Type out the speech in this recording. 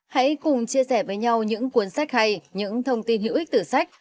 hãy cùng chia sẻ với nhau những cuốn sách hay những thông tin hữu ích từ sách